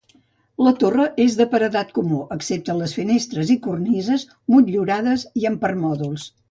La torre és de paredat comú, excepte les finestres i cornises, motllurades i amb permòdols.